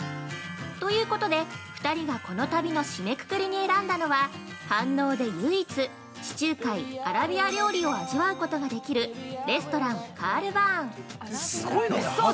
ということで、２人がこの旅の締めくくりに選んだのは飯能で唯一、地中海・アラビア料理を味わうことができるレストラン「カールヴァーン」。